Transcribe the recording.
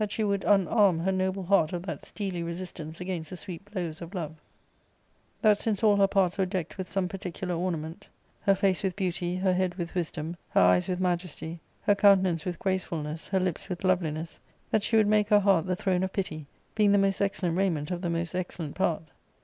— Book IL she would unarm her noble heart of that steely resistance against the sweet blows of Love ; that since all her parts were decked with some particular ornament — ^her face with beauty, her head with wisdom, her eyes with majesty, her countenance with gracefulness, her lips with loveliness — that she would make her heart the throne of pity, being the most excellent raiment of the most excellent part.